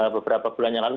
beberapa bulan yang lalu